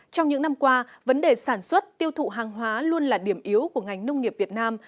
trong những năm qua vấn đề sản xuất tiêu thụ hàng hóa luôn là điểm yếu của ngành nông nghiệp việt nam